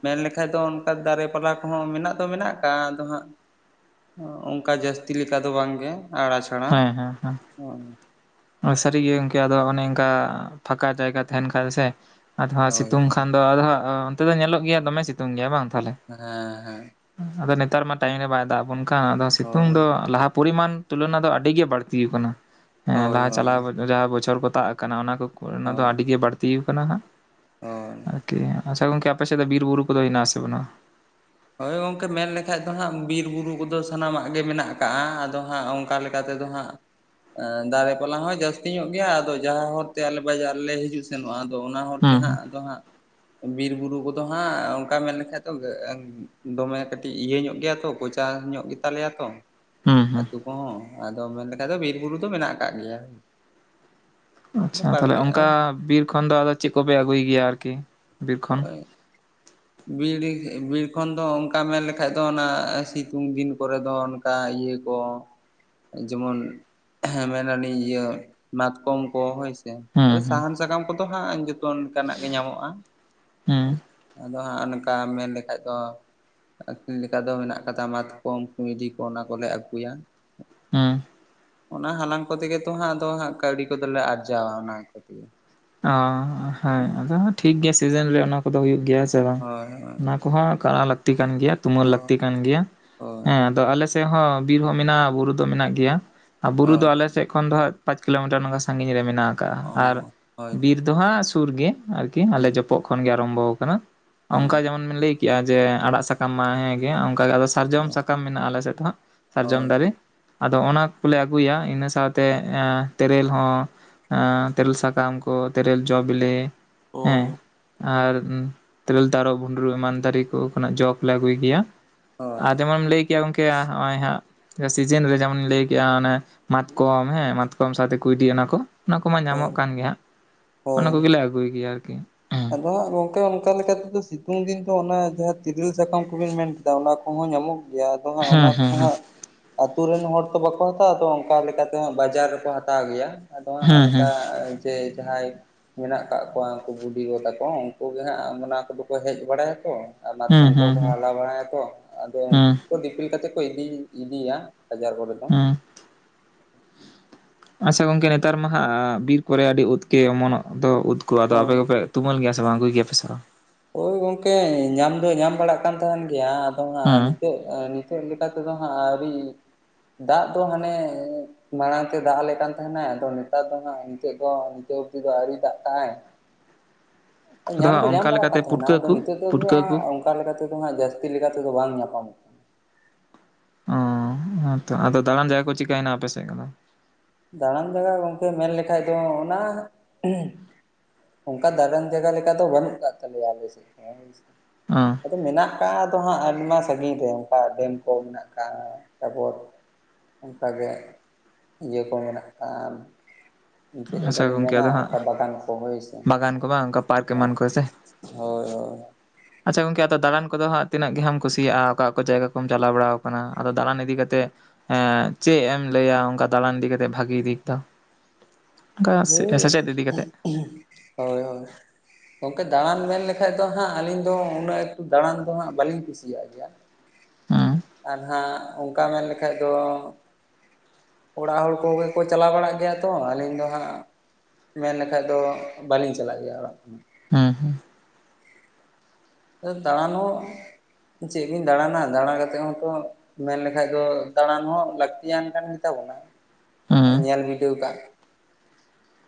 ᱢᱮᱱ ᱞᱮᱠᱷᱟᱡ ᱫᱚ ᱚᱱᱠᱟ ᱫᱟᱨᱮ ᱯᱟᱞᱟ ᱦᱚ ᱢᱮᱱᱟᱜ ᱫᱚ ᱢᱮᱱᱟᱜ ᱠᱟᱜᱼᱟ ᱟᱫᱚ ᱦᱟᱸᱜ ᱚᱱᱠᱟ ᱡᱟᱹᱥᱛᱤ ᱞᱮᱠᱟ ᱫᱚ ᱵᱟᱝ ᱜᱮ ᱟᱲ ᱦᱮᱸ ᱦᱮᱸ ᱦᱮᱸ ᱥᱟᱹᱨᱤᱜᱮ ᱜᱚᱢᱠᱮ ᱟᱫᱚ ᱚᱱᱮ ᱚᱱᱠᱟ ᱯᱷᱟᱸᱠᱟ ᱡᱟᱭᱜᱟ ᱛᱟᱦᱮᱱ ᱠᱷᱟᱡ ᱫᱚ ᱥᱮ ᱟᱫᱚ ᱦᱟᱜ ᱦᱳᱭ ᱥᱤᱛᱩᱝ ᱦᱳᱭ ᱠᱷᱟᱱ ᱫᱚ ᱟᱫᱚ ᱦᱟᱸᱜ ᱚᱱᱛᱮ ᱫᱚ ᱧᱮᱞᱚᱜ ᱜᱮᱭᱟ ᱫᱚᱢᱮ ᱥᱤᱛᱩᱝ ᱜᱮᱭᱟ ᱵᱟᱝ ᱛᱟᱦᱚᱞᱮ ᱦᱮᱸ ᱦᱮᱸ ᱟᱫᱚ ᱱᱮᱛᱟᱨ ᱢᱟ ᱴᱟᱭᱤᱢ ᱨᱮ ᱵᱟᱭ ᱫᱟᱜ ᱟᱵᱚᱱ ᱠᱟᱱ ᱟᱫᱚ ᱥᱤᱛᱩᱝ ᱦᱳᱭ ᱫᱚ ᱞᱟᱦᱟ ᱯᱚᱨᱤᱢᱟᱱ ᱛᱩᱞᱚᱱᱟ ᱫᱚ ᱟᱰᱤ ᱟᱹᱰᱤ ᱜᱮ ᱵᱟᱹᱲᱛᱤ ᱟᱠᱟᱱᱟ ᱦᱳᱭ ᱞᱟᱦᱟ ᱦᱳᱭ ᱪᱟᱞᱟᱣ ᱡᱟᱦᱟᱸ ᱵᱚᱪᱷᱚᱨ ᱠᱚ ᱛᱟᱵ ᱟᱠᱟᱱᱟ ᱚᱱᱟ ᱠᱚ ᱦᱚᱭ ᱚᱱᱟ ᱫᱚ ᱦᱳᱭ ᱟᱹᱰᱤ ᱜᱮ ᱵᱟᱹᱲᱛᱤ ᱟᱠᱟᱱᱟ ᱦᱟᱸᱜ ᱦᱳᱭ ᱟᱨᱠᱤ ᱟᱪᱪᱷᱟ ᱜᱚᱢᱠᱮ ᱟᱯᱮ ᱥᱮᱫ ᱫᱚ ᱵᱤᱨ ᱵᱩᱨᱩ ᱠᱚᱫᱚ ᱦᱮᱱᱟᱜᱼᱟ ᱥᱮ ᱵᱟᱱᱩᱜᱼᱟ? ᱦᱳᱭ ᱜᱚᱝᱠᱮ ᱢᱮᱱ ᱞᱮᱠᱷᱟᱡ ᱫᱚ ᱦᱟᱸᱜ ᱵᱤᱨ ᱵᱩᱨᱩ ᱠᱚᱫᱚ ᱥᱟᱱᱟᱢᱟᱜ ᱜᱮ ᱢᱮᱱᱟᱜ ᱟᱠᱟᱜᱼᱟ ᱟᱫᱚ ᱦᱟᱸᱜ ᱚᱱᱠᱟ ᱞᱮᱠᱟ ᱠᱟᱛᱮ ᱫᱚ ᱦᱟᱸᱜ ᱫᱟᱨᱮ ᱯᱟᱞᱟ ᱦᱚᱸ ᱡᱟᱹᱥᱛᱤ ᱧᱚᱜ ᱜᱮᱭᱟ ᱟᱫᱚ ᱡᱟᱦᱟᱸ ᱦᱚᱨ ᱛᱮ ᱟᱞᱮ ᱵᱟᱡᱟᱨ ᱞᱮ ᱦᱤᱡᱩᱜ ᱥᱮᱱᱚᱜᱼᱟ ᱟᱫᱚ ᱚᱱᱟ ᱦᱚᱨ ᱛᱮ ᱦᱟᱸᱜ ᱦᱩᱸ ᱟᱫᱚ ᱦᱟᱸᱜ ᱵᱤᱨ ᱵᱩᱨᱩ ᱠᱚᱫᱚ ᱦᱟᱸᱜ ᱚᱱᱠᱟ ᱢᱮᱱ ᱞᱮᱠᱷᱟᱡ ᱫᱚ ᱫᱚᱢᱮ ᱠᱟᱹᱴᱤᱡ ᱤᱭᱟᱹ ᱧᱚᱜ ᱜᱮᱭᱟ ᱛᱚ ᱠᱳᱪᱟ ᱧᱚᱜ ᱜᱮ ᱛᱟᱞᱮᱭᱟ ᱛᱚ ᱦᱩᱸ ᱦᱩᱸ ᱟᱛᱩ ᱠᱚᱦᱚᱸ ᱟᱫᱚ ᱢᱮᱱ ᱞᱮᱠᱷᱟᱡ ᱫᱚ ᱵᱤᱨ ᱵᱩᱨᱩ ᱫᱚ ᱢᱮᱱᱟᱜ ᱠᱟᱫ ᱜᱮᱭᱟ᱾ ᱟᱪᱪᱷᱟ ᱛᱟᱦᱚᱞᱮ ᱵᱟᱲᱜᱮᱼᱟ ᱚᱱᱠᱟ ᱵᱤᱨ ᱠᱷᱚᱱ ᱫᱚ ᱟᱫᱚ ᱪᱮᱫ ᱠᱚᱯᱮ ᱟᱹᱜᱩᱭ ᱜᱮᱭᱟ ᱟᱨᱠᱤ, ᱵᱤᱨ ᱠᱷᱚᱱ? ᱦᱚᱜᱼᱚᱭ ᱵᱤᱨ ᱵᱤᱨ ᱠᱷᱚᱱ ᱫᱚ ᱚᱱᱠᱟ ᱢᱮᱱ ᱞᱮᱠᱷᱟᱡ ᱫᱚ ᱚᱱᱟ ᱥᱤᱛᱩᱝ ᱫᱤᱱ ᱠᱚᱨᱮ ᱫᱚ ᱠᱟ ᱤᱭᱟᱹ ᱠᱚ ᱡᱮᱢᱚᱱ ᱦᱮᱸ ᱢᱮᱱᱟᱞᱤᱧ ᱤᱭᱟᱹ ᱢᱟᱛᱠᱚᱢ ᱠᱚ ᱦᱳᱭ ᱥᱮ᱾ ᱟᱫᱚ ᱦᱩᱸ ᱦᱩᱸ ᱥᱟᱦᱟᱱ ᱥᱟᱠᱟᱢ ᱠᱚᱫᱚ ᱦᱟᱸᱜ ᱡᱚᱛᱚ ᱚᱱᱠᱟᱱᱟᱜ ᱜᱮ ᱧᱟᱢᱚᱜᱼᱟ᱾ ᱦᱩᱸ ᱟᱫᱚ ᱦᱟᱸᱜ ᱚᱱᱠᱟ ᱢᱮᱱ ᱞᱮᱠᱷᱟᱡ ᱫᱚ ᱟᱠᱷᱨᱤᱧ ᱞᱮᱠᱟ ᱫᱚ ᱢᱮᱱᱟᱜ ᱠᱟᱫᱟ ᱢᱟᱛᱠᱚᱢ ᱠᱩᱭᱰᱤ ᱠᱚ ᱚᱱᱟ ᱠᱚᱞᱮ ᱟᱹᱜᱩᱭᱟ ᱦᱩᱸ ᱚᱱᱟ ᱦᱟᱞᱟᱝ ᱠᱚᱛᱮ ᱜᱮ ᱛᱚ ᱦᱟᱸᱜ ᱟᱫᱚ ᱦᱟᱸᱜ ᱠᱟᱹᱣᱰᱤ ᱠᱚᱫᱚᱞᱮ ᱟᱨᱡᱟᱣᱟ ᱚᱱᱟ ᱠᱚᱛᱮ ᱜᱮ᱾ ᱚ ᱦᱮᱸ ᱟᱫᱚ ᱴᱷᱤᱠ ᱜᱮᱭᱟ ᱥᱤᱡᱤᱱ ᱨᱮ ᱚᱱᱟ ᱠᱚᱫᱚ ᱦᱩᱭᱩᱜ ᱜᱮᱭᱟ, ᱦᱮᱸ ᱥᱮ ᱵᱟᱝ ᱦᱳᱭ ᱚᱱᱟ ᱠᱚᱦᱚᱸ ᱠᱟᱨᱟᱣ ᱞᱟ. ᱠᱛᱤ ᱠᱟᱱ ᱜᱮᱭᱟ ᱛᱩᱢᱟᱹᱞ ᱦᱳᱭ ᱞᱟᱹᱠᱛᱤ ᱠᱟᱱ ᱜᱮᱭᱟ ᱦᱳᱭ ᱦᱮᱸ ᱟᱫᱚ ᱟᱞᱮ ᱥᱮᱫ ᱦᱚᱸ ᱵᱤᱨ ᱦᱚᱸ ᱢᱮᱱᱟᱜᱼᱟ ᱵᱩᱨᱩ ᱫᱚ ᱢᱮᱱᱟᱜ ᱜᱮᱭᱟ᱾ ᱟᱨ ᱵᱩᱨᱩ ᱫᱚ ᱦᱳᱭ ᱟᱞᱮ ᱥᱮᱫ ᱠᱷᱚᱱ ᱫᱚ ᱦᱟᱸᱜ ᱯᱟᱸᱪ ᱠᱤᱞᱳᱢᱤᱴᱟᱨ ᱱᱚᱝᱠᱟ ᱥᱟᱺᱜᱤᱧ ᱨᱮ ᱢᱮᱱᱟᱜ ᱟᱠᱟᱟᱜ ᱚ ᱟᱨ ᱦᱳᱭ ᱵᱤᱨ ᱫᱚᱦᱟᱸᱜ ᱥᱩᱨ ᱜᱮ ᱟᱨᱠᱤ ᱟᱞᱮ ᱦᱩᱸ ᱡᱚᱯᱚᱜ ᱠᱷᱚᱱ ᱜᱮ ᱟᱨᱟᱢᱵᱚ ᱟᱠᱟᱱᱟ ᱚᱱᱠᱟ ᱦᱩᱸ ᱡᱮᱢᱚᱱ ᱟᱢ ᱞᱟᱹᱭ ᱠᱮᱜᱼᱟ ᱡᱮ ᱟᱲᱟᱜ ᱥᱟᱠᱟᱢ ᱢᱟ ᱦᱮᱸᱜᱮ ᱚᱱᱠᱮ ᱟᱫᱚ ᱥᱟᱨᱡᱚᱢ ᱦᱳᱭ ᱥᱟᱠᱟᱢ ᱢᱮᱱᱟᱜᱼᱟ ᱟᱞᱮ ᱥᱮᱫ ᱫᱚ ᱦᱟᱸᱜ᱾ ᱥᱟᱨᱡᱚᱢ ᱫᱟᱨᱮ ᱟᱫᱚ ᱚᱱᱟ ᱠᱚᱞᱮ ᱟᱹᱜᱩᱭᱟ ᱤᱱᱟᱹ ᱥᱟᱶᱛᱮ ᱛᱮᱨᱮᱞ ᱦᱚᱸ ᱮ ᱛᱮᱨᱮᱞ ᱥᱟᱠᱟᱢ ᱠᱚ ᱛᱮᱨᱮᱞ ᱡᱚᱸ ᱵᱮᱞᱮ ᱚᱻ ᱟᱨ ᱛᱮᱨᱮᱞ ᱛᱟᱨᱚᱵ ᱵᱷᱩᱸᱰᱨᱩ ᱮᱢᱟᱱ ᱫᱟᱨᱮ ᱠᱚ ᱠᱷᱚᱱᱟᱜ ᱡᱚ ᱠᱚᱞᱮ ᱟᱹᱜᱩᱭ ᱜᱮᱭᱟ ᱦᱳᱭ ᱟᱨ ᱡᱮᱢᱚᱱᱮᱢ ᱞᱟᱹᱭ ᱠᱮᱭᱟ ᱜᱚᱢᱠᱮ ᱱᱚᱜᱼᱚᱭ ᱦᱟᱸᱜ ᱥᱤᱡᱤᱱ ᱨᱮ ᱡᱮᱢᱚᱱᱤᱧ ᱞᱟᱹᱭ ᱠᱮᱫᱼᱟ ᱚᱱᱟ ᱢᱟᱛᱠᱚᱢ ᱦᱮᱸ ᱢᱟᱛᱠᱚᱢ ᱥᱟᱶᱛᱮ ᱠᱩᱭᱰᱤ ᱚᱱᱟ ᱠᱚ ᱚᱱᱟ ᱠᱚᱢᱟ ᱚ ᱧᱟᱢᱚᱜ ᱠᱟᱱ ᱜᱮ ᱦᱟᱸᱜ ᱚᱱᱟ ᱦᱳᱭ ᱠᱚᱜᱮᱞᱮ ᱟᱹᱜᱩᱭ ᱜᱮᱭᱟ ᱟᱨᱠᱤ᱾ ᱟᱫᱚ ᱦᱟᱸᱜ ᱜᱚᱢᱠᱮ ᱚᱱᱠᱟ ᱞᱮᱠᱟᱛᱮᱫᱚ ᱥᱤᱛᱩᱝ ᱫᱤᱱ ᱫᱚ ᱚᱱᱟ ᱡᱟᱦᱟᱸ ᱛᱤᱨᱤᱞ ᱥᱟᱠᱟᱢ ᱠᱚᱵᱤᱱ ᱢᱮᱱ ᱠᱮᱫᱟ ᱚᱱᱟ ᱠᱚᱦᱚᱸ ᱧᱟᱢᱚᱜ ᱜᱮᱭᱟ ᱟᱫᱚ ᱦᱟᱸᱜ ᱚᱱᱟ ᱦᱮᱸ ᱦᱮᱸ ᱠᱚᱫᱚ ᱦᱮᱸ ᱦᱟᱸᱜ ᱟᱹᱛᱩ ᱨᱮᱱ ᱦᱚᱲ ᱛᱚ ᱵᱟᱠᱚ ᱦᱟᱛᱟᱣᱟ ᱛᱚ ᱚᱱᱠᱟ ᱞᱮᱠᱟᱛᱮ ᱛᱮᱦᱚᱸᱜ ᱵᱟᱡᱟᱨ ᱨᱮᱠᱚ ᱦᱟᱛᱟᱣ ᱜᱮᱭᱟ ᱟᱫᱚ ᱦᱟᱸᱜ ᱦᱮᱸ ᱦᱮᱸ ᱚᱱᱠᱟ ᱡᱮ ᱡᱟᱦᱟᱸᱭ ᱢᱮᱱᱟᱜ ᱠᱟᱫ ᱠᱚᱣᱟ ᱩᱱᱠᱩ ᱵᱩᱰᱷᱤ ᱜᱚ ᱛᱟᱠᱚ ᱩᱱᱠᱩ ᱜᱮ ᱦᱟᱸᱜ ᱚᱱᱟ ᱠᱚᱫᱚ ᱠᱚ ᱦᱮᱡ ᱵᱟᱲᱟᱭᱟ ᱠᱚ ᱟ ᱢᱟᱛᱠᱚᱢ ᱦᱮᱸ ᱠᱚ ᱦᱮᱸ ᱠᱚ ᱦᱟᱞᱟᱝ ᱵᱟᱲᱟᱭᱟᱛᱚ ᱟᱫᱚ ᱦᱮᱸ ᱩᱱᱠᱩ ᱠᱚ ᱫᱤᱯᱤᱞ ᱠᱟᱛᱮ ᱠᱚ ᱤᱫᱤ ᱤᱫᱤᱭᱟ ᱵᱟᱡᱟᱨ ᱠᱚᱨᱮ ᱫᱚ ᱦᱮᱸ ᱟᱪᱪᱷᱟ ᱜᱚᱢᱠᱮ ᱱᱮᱛᱟᱨ ᱢᱟ ᱦᱟᱸᱜ ᱵᱤᱨ ᱠᱚᱨᱮ ᱟᱹᱰᱤ ᱩᱫᱠᱮ ᱚᱢᱚᱱᱚᱜ ᱫᱚ ᱩᱫ ᱠᱚᱜ ᱟᱫᱚ ᱦᱳᱭ ᱟᱯᱮ ᱠᱚᱯᱮ ᱛᱩᱢᱟᱹᱞ ᱜᱮᱭᱟ ᱥᱮ ᱵᱟᱝ ᱟᱹᱜᱩᱭ ᱜᱮᱭᱟ ᱯᱮᱥᱮ ᱵᱟᱝ ᱦᱳᱭ ᱜᱚᱝᱠᱮ ᱧᱟᱢ ᱫᱚ ᱧᱟᱢ ᱵᱟᱲᱟᱜ ᱠᱟᱱ ᱛᱟᱦᱮᱱ ᱜᱮᱭᱟ ᱟᱫᱚ ᱦᱟᱸᱜ ᱦᱮᱸ ᱱᱤᱛᱚᱜ ᱟᱹᱣᱨᱤ ᱪᱮᱫ ᱞᱮᱠᱟ ᱛᱮᱫᱚ ᱦᱟᱸᱜ ᱟᱹᱣᱨᱤ ᱫᱟᱜ ᱫᱚ ᱦᱟᱱᱮ ᱢᱟᱲᱟᱝ ᱛᱮ ᱫᱟᱜ ᱟᱞᱮ ᱠᱟᱱ ᱛᱟᱦᱮᱱᱟᱭ ᱟᱫᱚ ᱱᱮᱛᱟᱨ ᱫᱚ ᱦᱟᱸᱜ ᱱᱤᱛᱚᱜ ᱫᱚ ᱱᱤᱛᱚᱜ ᱚᱯᱛᱤ ᱫᱚ ᱟᱹᱣᱨᱤ ᱫᱟᱜ ᱠᱟᱜᱼ ᱟᱭ [unintelligible] ᱟᱫᱚ ᱦᱟᱸᱜ ᱚᱱᱠᱟ ᱵᱟᱲᱟᱜ ᱞᱮᱠᱟᱛᱮ ᱠᱟᱱ ᱛᱟᱦᱮᱱᱟ ᱯᱩᱴᱠᱟᱹ ᱟᱫᱚ ᱠᱚ ᱱᱤᱛᱚᱜ ᱫᱚ ᱯᱩᱴᱠᱟᱹ ᱠᱚ ᱦᱟᱸᱜ ᱚᱱᱠᱟ ᱞᱮᱠᱟ ᱛᱮᱫᱚ ᱦᱟᱸᱜ ᱡᱟᱹᱥᱛᱤ ᱞᱮᱠᱟ ᱛᱮᱫᱚ ᱵᱟᱝ ᱧᱟᱢᱚᱜᱼᱟ᱾ ᱚ ᱦᱮᱸᱛᱚ ᱟᱫᱚ ᱫᱟᱬᱟᱱ ᱡᱟᱭᱜᱟ ᱠᱚ ᱪᱤᱠᱟᱹᱭᱮᱱᱟ ᱟᱯᱮ ᱥᱮᱫ ᱠᱚᱫᱚ ᱫᱟᱬᱟᱱ ᱡᱟᱭᱜᱟ ᱜᱚᱢᱠᱮ ᱢᱮᱱ ᱞᱮᱠᱷᱟᱡ ᱫᱚ ᱚᱱᱟ [unintelligible] ᱚᱱᱠᱟ ᱫᱟᱬᱟᱱ ᱡᱟᱭᱜᱟ ᱞᱮᱠᱟ ᱫᱚ ᱵᱟᱹᱱᱩᱜ ᱠᱟᱫ ᱛᱟᱞᱮᱭᱟ ᱟᱞᱮ ᱥᱮᱫ ᱫᱚ ᱦᱳᱭ ᱥᱮ ᱟᱸᱻ ᱟᱫᱚ ᱢᱮᱱᱟᱜ ᱟᱠᱟᱫ ᱟᱫᱚ ᱦᱟᱸᱜ ᱟᱭᱢᱟ ᱥᱟᱹᱜᱤᱧ ᱨᱮ ᱚᱱᱠᱟ ᱰᱮᱢ ᱠᱚ ᱢᱮᱱᱟᱜ ᱠᱟᱫ ᱛᱟᱨᱯᱚᱨ ᱚᱱᱠᱟ ᱜᱮ ᱤᱭᱟᱹ ᱠᱚ ᱢᱮᱱᱟᱜ ᱟᱠᱟᱫᱼᱟ ᱪᱮᱫ ᱞᱮᱠᱟ ᱟᱪᱪᱷᱟ ᱞᱤᱧ ᱜᱚᱝᱠᱮ ᱢᱮᱱᱟ ᱟᱫᱚ ᱦᱟᱸᱜ ᱚᱱᱠᱟ ᱵᱟᱜᱟᱱ ᱠᱚ ᱦᱳᱭ ᱥᱮ ᱵᱟᱜᱟᱱ ᱠᱚ ᱵᱟᱝ ᱚᱱᱠᱟ ᱯᱟᱨᱠ ᱮᱢᱟᱱ ᱠᱚ ᱥᱮ? ᱦᱮᱸ ᱦᱳᱭ ᱦᱳᱭ ᱟᱪᱪᱷᱟ ᱜᱚᱢᱠᱮ ᱟᱫᱚ ᱫᱟᱬᱟᱱ ᱠᱚᱫᱚ ᱦᱟᱸᱜ ᱛᱤᱱᱟᱹᱜ ᱜᱮ ᱦᱟᱢ ᱠᱩᱥᱤᱭᱟᱜᱼᱟ᱾ ᱚᱠᱟ ᱚᱠᱟ ᱡᱟᱭᱜᱟ ᱠᱚᱢ ᱪᱟᱞᱟᱣ ᱵᱟᱲᱟᱣ ᱟᱠᱟᱱᱟ ᱟᱫᱚ ᱫᱟᱬᱟᱱ ᱤᱫᱤ ᱠᱟᱛᱮᱫ ᱮᱸᱻ ᱪᱮᱫ ᱮᱢ ᱞᱟᱹᱭᱟ ᱚᱱᱠᱟ ᱫᱟᱲᱟᱱ ᱤᱫᱤ ᱠᱟᱛᱮ ᱵᱷᱟᱜᱮ ᱫᱤᱠ ᱫᱚ ᱚᱱᱠᱟ [unintelligible] ᱦᱳᱭ ᱥᱮᱪᱮᱫ ᱤᱫᱤ ᱠᱟᱛᱮᱫ ᱦᱳᱭ ᱜᱚᱢᱠᱮ ᱫᱟᱬᱟᱱ ᱢᱮᱱ ᱞᱮᱠᱷᱟᱡ ᱫᱚ ᱦᱟᱸᱜ ᱟᱹᱞᱤᱧ ᱫᱚ ᱩᱱᱟᱹᱜ ᱮᱠᱴᱩ ᱫᱟᱬᱟᱱ ᱫᱚ ᱦᱟᱸᱜ ᱵᱟᱹᱞᱤᱧ ᱠᱩᱥᱤᱭᱟᱜ ᱜᱮᱭᱟ ᱦᱮᱸ ᱟᱨ ᱦᱟᱸᱜ ᱚᱱᱠᱟ ᱢᱮᱱ ᱞᱮᱠᱷᱟᱡ ᱫᱚ ᱚᱲᱟᱜ ᱦᱚᱲ ᱠᱚᱜᱮ ᱠᱚ ᱪᱟᱞᱟᱣ ᱵᱟᱲᱟᱜ ᱜᱮᱭᱟ ᱛᱚ ᱟᱹᱞᱤᱧ ᱫᱚ ᱦᱟᱸᱜ ᱢᱮᱱ ᱞᱮᱠᱷᱟᱡ ᱫᱚ ᱵᱟᱹᱞᱤᱧ ᱪᱟᱞᱟᱜ ᱜᱮᱭᱟ ᱚᱲᱟᱜ ᱠᱷᱚᱱᱟᱜ ᱦᱮᱸ ᱦᱮᱸ ᱟᱫᱚ ᱫᱟᱬᱟᱱ ᱦᱚᱸ ᱪᱮᱫ ᱵᱤᱱ ᱫᱟᱬᱟᱱᱟ ᱫᱟᱬᱟ ᱠᱟᱛᱮ ᱦᱚᱸᱛᱚ ᱢᱮᱱ ᱞᱮᱠᱷᱟᱡ ᱫᱚ ᱫᱟᱬᱟᱱ ᱦᱚᱸ ᱞᱟᱹᱠᱛᱤᱭᱟᱱ ᱠᱟᱱ ᱜᱮᱛᱟᱵᱚᱱᱟ ᱦᱩᱸ ᱧᱮᱞ ᱵᱤᱰᱟᱹᱣ ᱟᱠᱟᱫ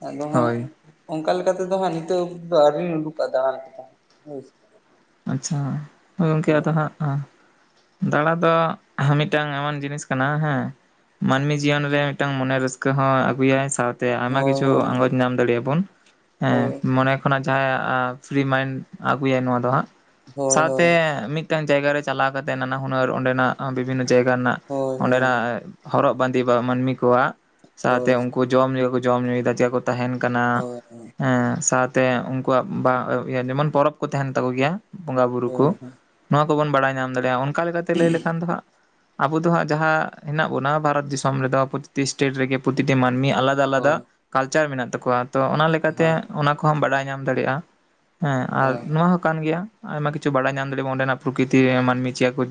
ᱟᱫᱚ ᱦᱟᱸᱜ ᱦᱳᱭ ᱚᱱᱠᱟ ᱞᱮᱠᱟ ᱛᱮᱫᱚ ᱦᱟᱸᱜ ᱱᱤᱛᱚᱜ ᱚᱵ ᱟᱹᱣᱨᱤᱧ ᱩᱰᱩᱠᱚᱜᱼᱟ ᱫᱟᱬᱟᱱ ᱞᱮᱠᱟ ᱦᱳᱭ ᱥᱮ ᱟᱪᱪᱷᱟ ᱛᱚ ᱜᱚᱢᱠᱮ ᱟᱫᱚ ᱦᱳᱭ ᱦᱟᱸᱜ ᱟᱸ ᱫᱟᱬᱟ ᱫᱚ [unintelligible] ᱢᱤᱫᱴᱟᱝ ᱮᱢᱚᱱ ᱡᱤᱱᱤᱥ ᱠᱟᱱᱟ ᱦᱮᱸ ᱢᱟᱹᱱᱢᱤ ᱡᱤᱭᱚᱱ ᱨᱮ ᱢᱤᱫᱴᱟᱝ ᱢᱚᱱᱮ ᱨᱟᱹᱥᱠᱟᱹ ᱦᱚᱸᱭ ᱟᱹᱜᱩᱭᱟᱭ ᱥᱟᱶ ᱛᱮ ᱟᱭᱢᱟ ᱦᱳᱭ ᱠᱤᱪᱷᱩ ᱟᱸᱜᱚᱪ ᱧᱟᱢ ᱫᱟᱲᱮᱭᱟᱜᱼᱟ ᱵᱚᱱ ᱦᱮᱸ ᱦᱳᱭ ᱢᱚᱱᱮ ᱠᱷᱚᱱᱟᱜ ᱡᱟᱦᱟᱸᱭᱟᱜ ᱯᱷᱤᱨᱤ ᱢᱟᱭᱤᱱᱰ ᱟᱹᱜᱩᱭᱟᱭ ᱱᱚᱣᱟ ᱫᱚ ᱦᱟᱸᱜ ᱦᱳᱭ ᱦᱳᱭ ᱥᱟᱶᱛᱮ ᱢᱤᱫᱴᱟᱝ ᱡᱟᱭᱜᱟ ᱨᱮ ᱪᱟᱞᱟᱣ ᱠᱟᱛᱮᱫ ᱱᱟᱱᱟ ᱦᱩᱱᱟᱹᱨ ᱚᱸᱰᱮᱱᱟᱜ ᱵᱤᱵᱷᱤᱱᱱᱚ ᱡᱟᱭᱜᱟ ᱨᱮᱱᱟᱜ ᱦᱳᱭ ᱚᱸᱰᱮᱱᱟᱜ ᱦᱚᱨᱚᱜ ᱵᱟᱸᱫᱮ ᱵᱟ ᱢᱟᱹᱱᱢᱤ ᱠᱚᱣᱟᱜ ᱥᱟᱶᱛᱮ ᱦᱳᱭ ᱩᱱᱠᱩ ᱠᱚ ᱡᱚᱢ ᱧᱩ ᱠᱚ ᱡᱚᱢ ᱧᱩᱭ ᱮᱫᱟ ᱪᱮᱫ ᱠᱟ ᱠᱚ ᱛᱟᱦᱮᱱ ᱠᱟᱱᱟ᱾ ᱦᱳᱭ ᱮᱸ ᱥᱟᱶ ᱛᱮ ᱩᱱᱠᱩᱣᱟᱜ ᱵᱟ ᱟᱣ ᱡᱮᱢᱚᱱ ᱯᱚᱨᱚᱵᱽ ᱠᱚ ᱛᱟᱦᱮᱱ ᱛᱟᱠᱚ ᱜᱮᱭᱟ ᱵᱚᱸᱜᱟ ᱦᱳᱭ ᱵᱩᱨᱩ ᱠᱚ ᱦᱳᱭ ᱱᱚᱣᱟ ᱠᱚᱵᱚᱱ ᱵᱟᱲᱟᱭ ᱧᱟᱢ ᱫᱟᱲᱮᱭᱟᱜᱼᱟ ᱚᱱᱠᱟ ᱞᱮᱠᱟᱛᱮ ᱞᱟᱹᱭ ᱞᱮᱠᱷᱟᱱ ᱫᱚ ᱦᱟᱸᱜ ᱟᱵᱚ ᱫᱚ ᱦᱟᱸᱜ ᱡᱟᱦᱟᱸ ᱦᱮᱱᱟᱜ ᱵᱚᱱᱟ ᱵᱷᱟᱨᱚᱛ ᱫᱤᱥᱚᱢ ᱨᱮᱫᱚ ᱯᱨᱚᱛᱤᱴᱤ ᱮᱥᱴᱮᱴ ᱨᱮᱜᱮ ᱯᱨᱚᱛᱤᱴᱤ ᱢᱟᱹᱱᱢᱤ ᱟᱞᱟ ᱫᱟ ᱟᱞᱟᱫᱟ ᱦᱳᱭ ᱠᱟᱞᱪᱟᱨ ᱢᱮᱱᱟᱜ ᱛᱟᱠᱚᱣᱟ ᱛᱚ ᱚᱱᱟ ᱦᱳᱭ ᱞᱮᱠᱟᱛᱮ ᱚᱱᱟ ᱠᱚᱦᱚᱢ ᱵᱟᱰᱟᱭ ᱧᱟᱢ ᱫᱟᱲᱮᱭᱟᱜᱼᱟ᱾ ᱦᱮᱸ ᱟᱨ ᱦᱳᱭ ᱱᱚᱣᱟ ᱦᱚᱸ ᱠᱟᱱ ᱜᱮᱭᱟ ᱟᱭᱢᱟ ᱠᱤᱪᱷᱩ ᱵᱟᱲᱟᱭ ᱧᱟᱢ ᱫᱟᱲᱮ ᱭᱟᱜ ᱚᱸᱰᱮ ᱱᱟᱜ ᱯᱨᱚᱠᱤᱛᱤ ᱢᱟᱹᱱᱢᱤ ᱪᱮᱫ ᱠᱚ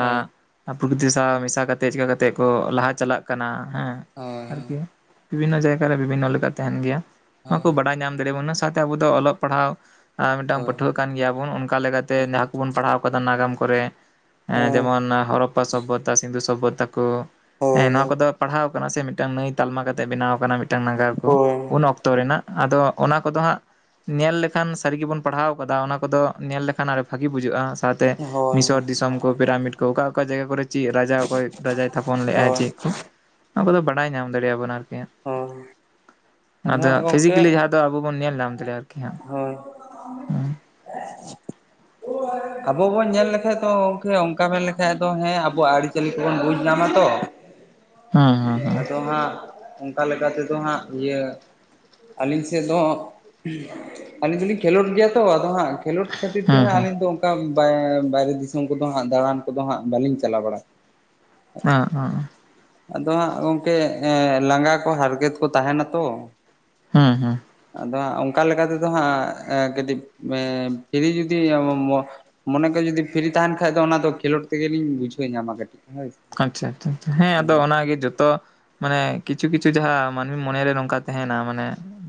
ᱦᱳᱭ ᱦᱳᱭ ᱟᱜ ᱯᱨᱚᱠᱤᱛᱤ ᱥᱟᱶ ᱢᱮᱥᱟ ᱠᱟᱛᱮᱫ ᱪᱮᱠᱟ ᱠᱟᱛᱮ ᱠᱚ ᱞᱟᱦᱟ ᱪᱟᱞᱟᱜ ᱠᱟᱱᱟ ᱦᱮᱸ᱾ ᱦᱳᱭ ᱦᱳᱭ ᱦᱳᱭ ᱟᱨᱠᱤ ᱵᱤᱵᱷᱤᱱᱱᱚ ᱡᱟᱭᱜᱟ ᱨᱮ ᱵᱤᱵᱷᱤᱱᱱᱚ ᱞᱮᱠᱟ ᱛᱟᱦᱮᱸᱱ ᱜᱮᱭᱟ ᱱᱚᱣᱟ ᱠᱚ ᱦᱳᱭ ᱵᱟᱰᱟᱭ ᱧᱟᱢ ᱫᱟᱲᱮ ᱚᱱᱟ ᱥᱟᱣ ᱛᱮ ᱟᱵ ᱫᱚ ᱚᱞᱚᱜ ᱯᱟᱲᱦᱟᱣ ᱟ ᱢᱤᱫᱴᱟᱝ ᱯᱟᱹᱴᱷᱩᱣᱟ ᱦᱳᱭ ᱠᱟᱱ ᱜᱮᱭᱟ ᱵᱚᱱ ᱚᱝ ᱠᱟ ᱞᱮᱠᱟᱛᱮ ᱡᱟᱦᱟᱸ ᱠᱚᱵᱚᱱ ᱯᱟᱲᱦᱟᱣ ᱠᱟᱫᱟ ᱱᱟᱜᱟᱢ ᱠᱚᱨᱮ ᱮᱸ ᱦᱳᱭ ᱦᱳᱭ ᱡᱮᱢᱚᱱ ᱦᱚᱨᱚᱯ ᱯᱟ ᱥᱚᱵᱵᱷᱚᱛᱟ ᱥᱤᱱᱫᱷᱩ ᱥᱚᱵᱵᱷᱚᱛᱟ ᱠᱚ ᱦᱮᱸ ᱱᱚᱣᱟ ᱠᱚᱫᱚ ᱯᱟᱲᱦᱟᱣ ᱠᱟᱱᱟ ᱥᱮ ᱢᱤᱫ ᱴᱟᱝ ᱱᱟᱹᱭ ᱛᱟᱞ ᱢᱟ ᱠᱟᱛᱮ ᱵᱮᱱᱟᱣ ᱠᱟᱱᱟ ᱢᱤᱫ ᱴᱟᱝ ᱱᱟᱜᱟᱨ ᱠᱚ᱾ ᱩᱱ ᱚᱠᱛᱚ ᱨᱮᱱᱟᱜ ᱟᱫᱚ ᱚᱱᱟ ᱠᱚ ᱫᱚ ᱦᱟᱸᱜ ᱧᱮᱞ ᱞᱮᱠᱷᱟᱱ ᱥᱟᱹᱨᱤ ᱜᱮ ᱵᱚᱱ ᱯᱟᱲ ᱦᱟᱣ ᱠᱟᱫᱟ, ᱚᱱᱟ ᱠᱚᱫᱚ- ᱧᱮᱞ ᱞᱮᱠᱷᱟᱱ ᱟᱨ ᱵᱷᱟᱜᱤ ᱵᱩᱡᱷᱟᱹᱜᱼᱟ ᱥᱟᱶᱛᱮ ᱢᱤᱥᱚᱨ ᱫᱤᱥᱚᱢ ᱠᱚ ᱯᱤᱨᱟ ᱢᱤᱴ ᱠᱚ ᱚᱠᱟ ᱚᱠᱟ ᱡᱟᱭᱜᱟ ᱠᱚᱨᱮ ᱪᱮᱫ ᱨᱟᱡᱟ ᱚᱠᱚᱭ ᱨᱟᱡᱟᱭ ᱛᱷᱟᱯᱚᱱ ᱞᱮᱫᱜᱟᱭ ᱦᱳᱭ ᱪᱮᱫ ᱠᱚ ᱚᱱᱟ ᱠᱚᱫᱚ ᱵᱟᱰᱟᱭ ᱧᱟᱢ ᱫᱟᱲᱮ ᱟᱵᱚᱱ ᱟᱨᱠᱤ, ᱟᱫᱚ ᱚᱱᱟᱛᱮ ᱦᱟᱸᱜ ᱜᱚᱝᱠᱮ ᱯᱷᱤᱡᱤᱠᱮᱞᱤ ᱡᱟᱦᱟᱸ ᱫᱚ ᱟᱵᱚ ᱵᱚᱱ ᱧᱮᱞ ᱧᱟᱢ ᱫᱟᱲᱮᱭᱟᱜ ᱟᱨᱠᱤ ᱦᱟᱸᱜ ᱦᱳᱭ ᱦᱩᱸ᱾ [unintelligible] ᱟᱵᱚ ᱵᱚᱱ ᱧᱮᱞ ᱞᱮᱠᱟᱡ ᱫᱚ ᱜᱚᱝᱠᱮ ᱚᱱᱠᱟ ᱢᱮᱱ ᱞᱮᱠᱷᱟᱡ ᱫᱚ ᱦᱮᱸ ᱟᱵᱚᱣᱟᱜ ᱟᱹᱨᱤᱪᱟᱹᱞᱤ ᱠᱚᱵᱚᱱ ᱵᱩᱡᱽ ᱧᱟᱢᱟ ᱛᱚ, ᱦᱮᱸ ᱟᱫᱚ ᱦᱮᱸ ᱦᱟᱸᱜ ᱚᱝᱠᱟ ᱞᱮᱠᱟ ᱛᱮᱫᱚ ᱦᱟᱸᱜ ᱤᱭᱟᱹ ᱟᱹᱞᱤᱧ ᱥᱮᱫ ᱫᱚ ᱟᱹᱞᱤᱧ ᱫᱚᱞᱤᱧ ᱠᱷᱮᱞᱳᱰ ᱜᱮᱭᱟ ᱛᱚ ᱟᱫᱚ ᱦᱟᱸᱜ ᱠᱷᱮᱞᱳᱰ ᱠᱷᱟᱹᱛᱤᱨ ᱛᱮ ᱦᱮᱸ ᱦᱟᱸᱜ ᱦᱮᱸ ᱟᱹᱞᱤᱧ ᱫᱚ ᱚᱱᱠᱟ ᱵᱟ ᱵᱟᱭ ᱨᱮ ᱫᱤᱥᱚᱢ ᱠᱚ ᱫᱚ ᱦᱟᱸᱜ ᱫᱟᱬᱟᱱ ᱠᱚ ᱫᱚ ᱦᱟᱸᱜ ᱵᱟᱹᱞᱤᱧ ᱪᱟᱞᱟᱣ ᱵᱟᱲᱟᱜ ᱜᱮᱭᱟ᱾ ᱚᱸ ᱚᱸ᱾ ᱟᱫᱚ ᱦᱟᱸᱜ ᱜᱚᱝᱠᱮ ᱞᱟᱸᱜᱟ ᱠᱚ ᱦᱟᱨ ᱠᱮᱛ ᱠᱚ ᱛᱟᱦᱮᱸ ᱱᱟ ᱛᱚ᱾ ᱦᱩᱸ ᱦᱩᱸ᱾ ᱟᱫᱚ ᱦᱟᱸᱜ ᱚᱝᱠᱟ ᱞᱮᱠᱟ ᱛᱮ ᱫᱚ ᱦᱟᱸᱜ ᱠᱟᱹᱴᱤᱡ ᱯᱷᱤᱨᱤ ᱡᱩᱫᱤ [inaudible] ᱢᱚᱱᱮ ᱠᱚ ᱡᱩᱚᱫᱤ ᱯᱷᱤᱨᱤ ᱛᱟᱦᱮᱸᱱ ᱠᱷᱟᱡ ᱫᱚ ᱚᱱᱟ ᱫᱚ ᱠᱷᱮᱞᱳᱰ ᱛᱮ ᱜᱮ ᱞᱤᱧ ᱵᱩᱡᱷᱟᱹᱣ ᱧᱟᱢᱟ ᱠᱟᱹᱴᱤᱡ᱾ ᱦᱳᱭ ᱟᱪᱪᱷᱟ ᱟᱪᱪᱷᱟ ᱦᱮᱸ ᱟᱫᱚ ᱚᱱᱟ ᱜᱮ ᱡᱷᱚᱛᱚ ᱢᱟᱱᱮ ᱠᱤᱪᱷᱩ ᱠᱤᱪᱷᱩ ᱡᱟᱦᱟᱸ ᱢᱟᱹᱱᱢᱤ ᱢᱚᱱᱮ ᱨᱮ ᱱᱚᱝ ᱠᱟ ᱛᱟᱦᱮᱸᱱᱟ ᱢᱟᱱᱮ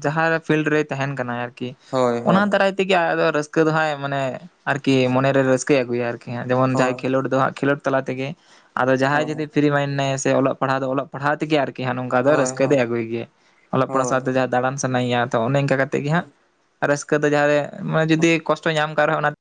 ᱡᱟᱦᱟᱸ ᱨᱮ ᱯᱷᱤᱞᱰ ᱨᱮᱭ ᱛᱟᱦᱮᱸᱱ ᱠᱟᱱᱟ ᱟᱨ ᱠᱤ ᱦᱳᱭ ᱚᱱᱟ ᱦᱳᱭ ᱫᱟᱨᱟᱭ ᱛᱮᱜᱮ ᱟᱫᱚ ᱨᱟᱹᱥᱠᱟᱹ ᱫᱚ ᱦᱟᱜᱭ ᱢᱟᱱᱮ ᱟᱨᱠᱤ ᱢᱚᱱᱮ ᱨᱮ ᱨᱟᱹᱥᱠᱟᱹᱭ ᱟᱹᱜᱩᱭᱟ ᱟᱨ ᱠᱤ ᱦᱟᱸᱜ ᱡᱮᱢᱚᱱ ᱦᱳᱭ ᱡᱟᱦᱟᱸᱭ ᱠᱷᱮᱞᱳᱰ ᱫᱚ ᱦᱟᱜ ᱠᱷᱮᱞᱳᱰ ᱛᱟᱞᱟ ᱛᱮᱜᱮ ᱟᱫᱚ ᱡᱟᱦᱟᱸᱭ ᱡᱩᱫᱤ ᱦᱳᱭ ᱯᱷᱨᱤ ᱢᱟᱭᱤᱱ ᱦᱮᱱᱟᱭ ᱥᱮ ᱚᱞᱚᱜ ᱯᱟᱲᱟᱣ ᱫᱚ ᱚᱞᱚᱜ ᱯᱟᱲᱦᱟᱣ ᱛᱮᱜᱮ ᱟᱨ ᱠᱤ ᱦᱟᱸᱜ ᱱᱚᱝᱠᱟ ᱫᱚ ᱦᱳᱭ ᱨᱟᱹᱥᱠᱟᱹ ᱦᱳᱭ ᱫᱚᱭ ᱟᱹᱜᱩᱭ ᱜᱮᱭᱟ ᱚᱞᱚᱜ ᱯᱟᱲᱦᱟᱜ ᱥᱟᱶᱛᱮ ᱦᱳᱭ ᱡᱟᱦᱟᱸ ᱫᱟᱬᱟᱱ ᱥᱟᱱᱟᱭᱟ ᱛᱚ ᱚᱱᱮ ᱚᱝᱠᱟ ᱠᱟᱛᱮᱜ ᱜᱮ ᱦᱟᱸᱜ ᱨᱟᱹᱥᱠᱟᱹ ᱫᱚ ᱡᱟᱦᱟᱸᱨᱮ ᱢᱟᱱᱮ ᱡᱩᱫᱤ ᱠᱚᱥᱴᱚ ᱧᱟᱢ ᱠᱟᱜ ᱨᱮ ᱦᱚᱸ ᱚᱱᱟ